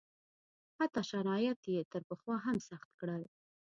حتی شرایط یې تر پخوا هم سخت کړل.